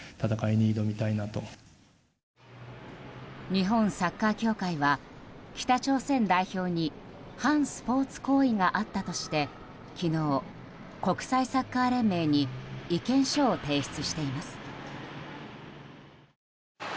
日本サッカー協会は北朝鮮代表に反スポーツ行為があったとして昨日、国際サッカー連盟に意見書を提出しています。